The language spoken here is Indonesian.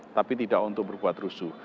tapi tidak untuk berbuat rusuh